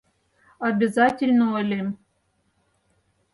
Обязательно ойлем!